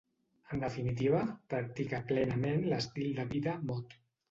En definitiva, practica plenament l'estil de vida mod.